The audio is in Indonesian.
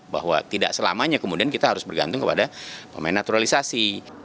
bahwa tidak selamanya kemudian kita harus bergantung kepada pemain naturalisasi